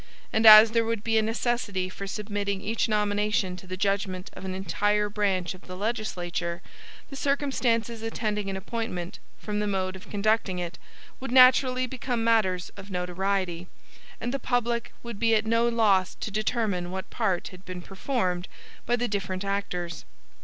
And as there would be a necessity for submitting each nomination to the judgment of an entire branch of the legislature, the circumstances attending an appointment, from the mode of conducting it, would naturally become matters of notoriety; and the public would be at no loss to determine what part had been performed by the different actors.